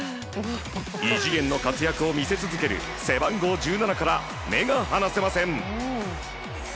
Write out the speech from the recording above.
異次元の活躍を見せ続ける背番号１７から目が離せません。